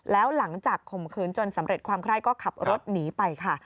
แล้วหลังจากข่มขืนจนสำเร็จความไคร้ก็ขับรถหนีไปค่ะ